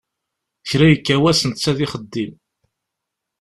Kra yekka wass netta d ixeddim.